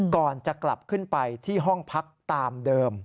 ก่อนจะกลับขึ้นไปที่ห้องพักตามเดิม